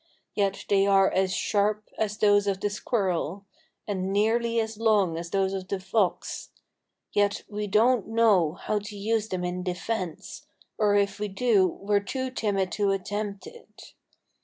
Yet they are as sharp as those of the Squirrel, and nearly as long as those of the Fox. Yet we don't know how to use them in defence, or if we do we're too timid to attempt it.